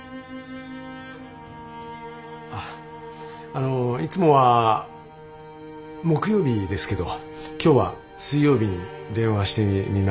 あのいつもは木曜日ですけど今日は水曜日に電話してみました。